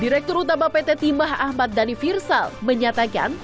direktur utama pt timah ahmad dhani firsal menyatakan